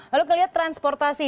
lalu kelihatan transportasi